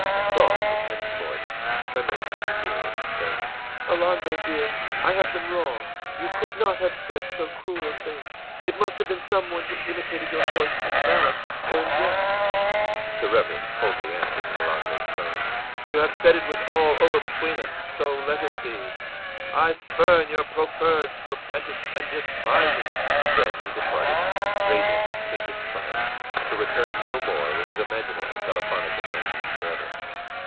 A soft, repentant voice, tremulous with tears, said: ìAlonzo, dear, I have been wrong. You could not have said so cruel a thing. It must have been some one who imitated your voice in malice or in jest.î The Reverend coldly answered, in Alonzo's tones: ìYou have said all was over between us. So let it be. I spurn your proffered repentance, and despise it!î Then he departed, radiant with fiendish triumph, to return no more with his imaginary telephonic invention forever.